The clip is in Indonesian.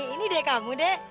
ini dek kamu dek